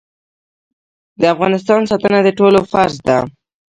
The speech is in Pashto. د افغانستان ساتنه د ټولو فرض دی